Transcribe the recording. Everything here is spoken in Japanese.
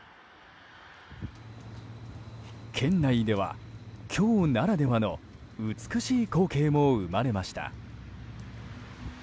県内では、今日ならではの美しい光景も生まれました。